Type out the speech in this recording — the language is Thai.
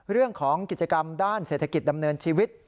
เรื่องของกิจกรรมด้านเศรษฐกิจดำเนินชีวิต